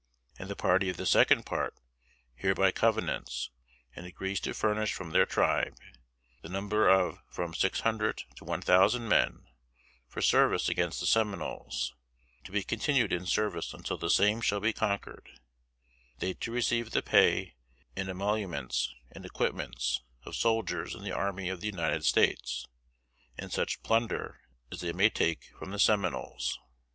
And the party of the second part hereby covenants, and agrees to furnish from their tribe, the number of from six hundred to one thousand men, for service against the Seminoles, to be continued in service until the same shall be conquered; they to receive the pay and emoluments, and equipments, of soldiers in the army of the United States, and such plunder as they may take from the Seminoles."